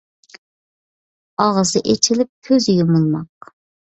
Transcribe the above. ئاغزى ئېچىلىپ كۆزى يۇمۇلماق.